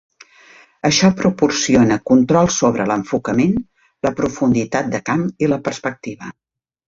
Això proporciona control sobre l'enfocament, la profunditat de camp i la perspectiva.